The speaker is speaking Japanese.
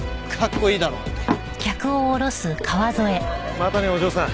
またねお嬢さん。